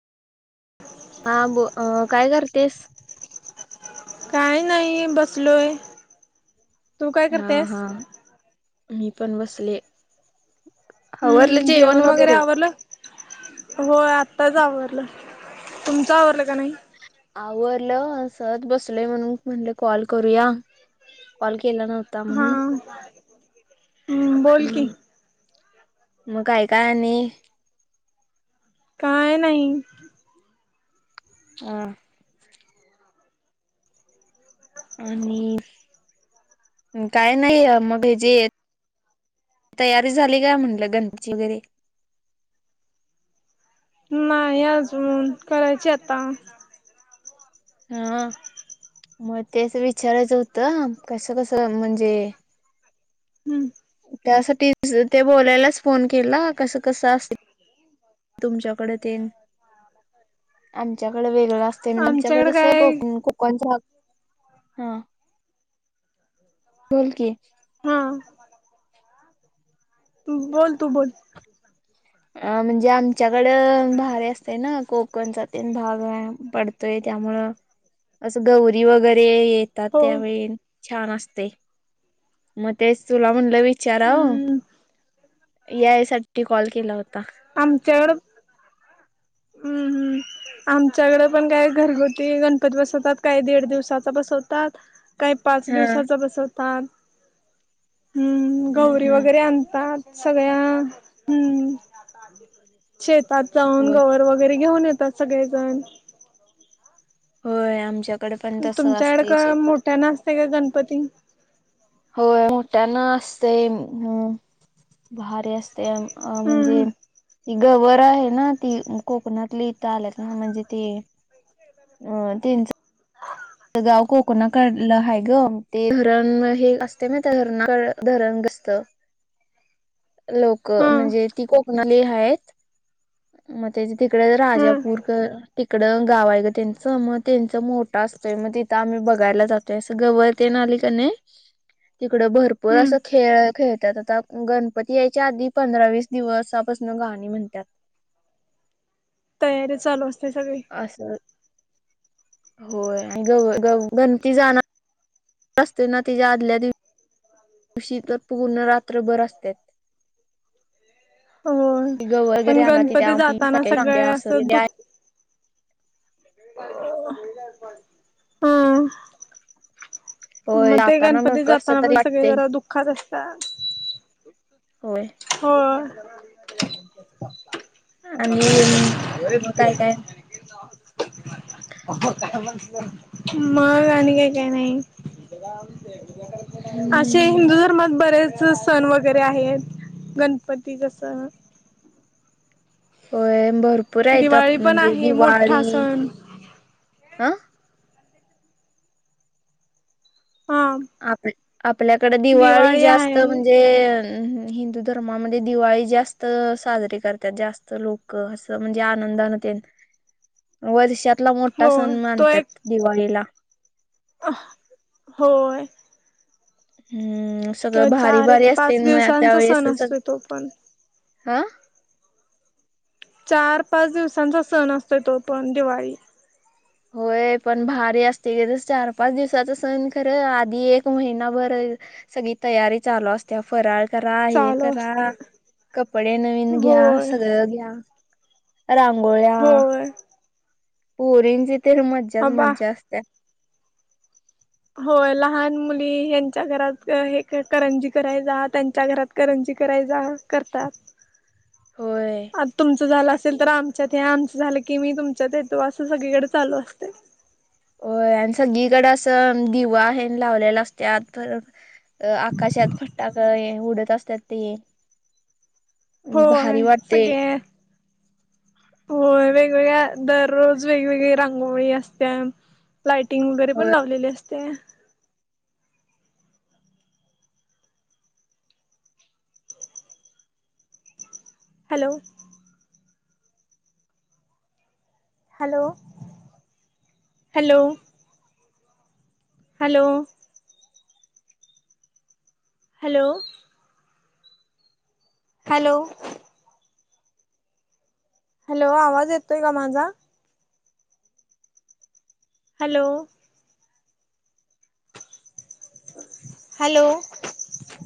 हां ब, अं काय करतेस? काय नाही, बसलोय. तू काय हं करतेस हं, मी पण बसले. आवरलं जेवण, वगैरे? हो आत्ताच आवरलं, तुमचं आवरलं का नाही? आवरलं, अं सहज बसलोय, म्हणून म्हणले कॉल करूया. कॉल केला नव्हता, म्हणून. हा बोल की हम्म, म काय काय आणि काय नाही. अं. आणि काय नाही, मग हे जे येत तयारी झाली काय, म्हटलं गणपतीची वगैरे? नाही अजून, करायची आता. हं, म तेच विचारायचं होतं, कसं-कसं म्हणजे? हम्म. त्यासाठीच, ते बोलायलाच फोन केला, कसं-कसं असेल? तुमच्याकड ते न आमच्याकड वेगळ असतं, म्हणजे तुमच्याकड आमच्याकडे कसं काय को-कोकनचा भाग हं, बोल कि हां. बोल, तू बोल. अं म्हणजे आमच्याकड भारी असतय ना कोक कोणचान तें भाग य पडतोय, त्यामुळं असं गौरी वगैरे येत तात, हो त्यावेळी छान असतय म तेच तुला म्हटलं विचाराव, हम्म यायसाठी कॉल केला होता. आमच्यावर हम्म हम्म आमच्याकडे पण काय घरगुती गणपती बसवतात, काही दीड दिवसाचा बसवतात. काही पाच हा दिवसांचा बसवतात, हम्म गौरी वगैरे आणतात. सगळ्या हम्म शेतात जाऊन होय गवर वगैरे घेऊन येतात सगळेजण. होय आमच्यात तुमच्याकडे काय मोठ्यान असतंय काय गणपती? होय मोठ्यान असतय हम्म -भारी असतय अ - हम्म म्हणजे ती गवर आहे ना ती कोकणातली इथं आलेत ना म्हणजे ती अ- तीनच गाव कोकणा काढलं आहे ग. ते धरण हे असतय माहिती हाय ते धरणस्त ह [inaudible] लोक, म्हणजे ती कोकणातली आहेत. मग तेज तिकड हम्म राजापूरकड तिकडं गाव आहे गं त्यांच मग त्यांच मोठा असं तोय मग तिथं आम्ही बघायला जातोय, असं गवर तेन आली कने तिकड भरपूर हम्म असं खेळ -खेळत्यात आता. गणपती यायच्या आधी पंधरा- वीस दिवसापासन गाणी म्हणत्यात. तयारी चालू असत्या सगळी. अस होय, आणि गव -गव- गंती जाणा र असतय ना तिच्या आदल्या दिव शी तर पूर्ण रात्रभर असत्यात. [inaudible] होय, गव वगैरे पण अंगात येते गणपती आमटी जाताना चांगली सगळे असं दुख [inaudible] ह होय मग ते जाताना मग गणपती कस जाताना तरी पण सगळे वाटतय, जरा दुःखात असतात होय. होय [inaudible] आणि मग काय -काय? [unintelligible] [inaudible] मग आणि काय -काय नाही. [inaudible] अशे हम्म हिंदू धर्मात बरेचं सण वगैरे आहेत. गणपती कस होय, भरपूर आहेत दिवाळी आप- पण म्हणजे आहे दिवाळी मोठा सण आ आम आप- आपल्याकड दिवाळी जास्त आहे म्हणजे हम्म हिंदू धर्मामध्ये दिवाळी जास्त साजरीे करत्यात जास्त लोकं म्हणजे आनंदाने तेन. [inaudible] वर्षातला मोठा होय सण मानत्यात दिवाळीला. अ [unintelligible] होय. हम्म सगळ किंवा भारी- चार एक भारी असतय पाच म दिवसांचा त्याच्यावेळी अस सण सगळ असतो तो पण हा चार -पाच दिवसांचा सण असतोय तो पण दिवाळी. होय, पण भारी असते ग. तस चार -पाच दिवसाचा सण खर आधी एक महिनाभर सगळी तयारी चालू असत्या फराळ करा, हे चालू अस करा, कपडे नवीन घ्या, होय सगळं घ्या. रांगोळ्या. होय पोरींची तर मज्जाच आबा मज्जा असत्या. होय लहान मुली हेंच्या घरात हे करंजी करायला जा तेंच्या घरात करंजी करायला जा करतात. होय. आता तुमच झाल असेल तर आमच्यात या आमच झाल की मी तुमच्यात येतो अस सगळीकडे चालू असते. होय आणि सगळीकडे अस दिवा हे लावलेला असतात. अ आकाशात फटाके उडत असतात ते. भारी होय वाटते. सगळे होय वेगवेगळ्या दररोज वेगवेगळी रांगोळी असत्या. लाइटिंग वगैरे हो पण लावलेली असते. Hello. Hello hello. Hello. Hello. Hello. Hello आवाज येतोय का माझा? हॅलो. हॅलो.